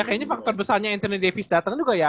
ya kayaknya faktor besarnya anthony davis dateng juga ya